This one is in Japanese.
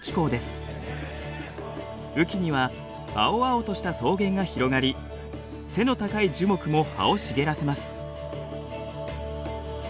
雨季には青々とした草原が広がり背の高い樹木も葉を茂らせます。